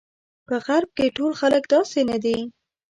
په غرب کې ټول خلک داسې نه دي.